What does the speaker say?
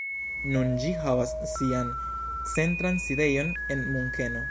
Nun ĝi havas sian centran sidejon en Munkeno.